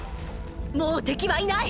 もう敵はいない！！